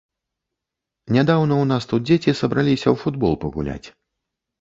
Нядаўна ў нас тут дзеці сабраліся у футбол пагуляць.